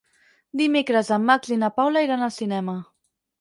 Dimecres en Max i na Paula iran al cinema.